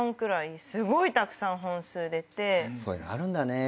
そういうのあるんだね。